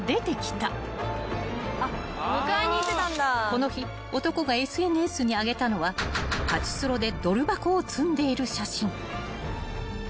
［この日男がＳＮＳに上げたのはパチスロでドル箱を積んでいる写真］